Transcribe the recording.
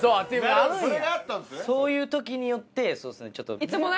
そういう時によってちょっと。